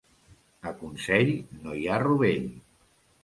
A Consell no hi ha rovell.